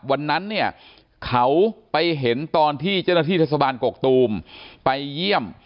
วันนั้นเนี่ยเขาไปเห็นตอนที่เจ้าหน้าที่เทศบาลกกตูมไปเยี่ยม